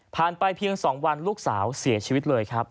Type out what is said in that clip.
ไปเพียง๒วันลูกสาวเสียชีวิตเลยครับ